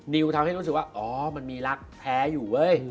นิวทำให้รู้สึกว่ามันมีรักแท้อยู่